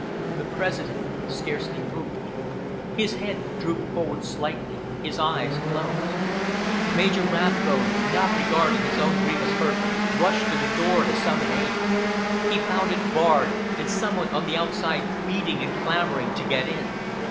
The President scarcely moved. His head drooped forward slightly, his eyes closed. Major Rathbone, not regarding his own grievous hurt, rushed to the door to summon aid. He found it barred, and someone on the outside beating and clamoring to get in.